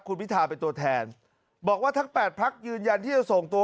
คุณพิธาเป็นตัวแทนบอกว่าทั้ง๘พักยืนยันที่จะส่งตัว